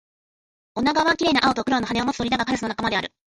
オナガは綺麗な青と黒の羽を持つ鳥だが、カラスの仲間である